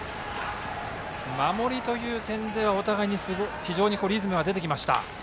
守りという点ではお互いに非常にリズムが出てきました。